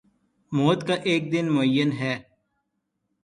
موت کا ایک دن معین ہے